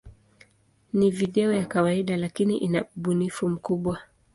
Ni video ya kawaida, lakini ina ubunifu mkubwa.